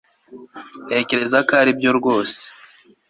ntekereza ko aribyo rwose